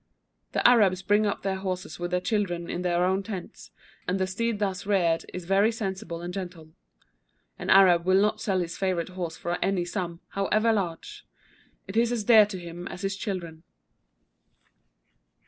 The Arabs bring up their horses with their children in their own tents; and the steed thus reared is very sensible and gentle. An Arab will not sell his favourite horse for any sum, however large: it is as dear to him as his children.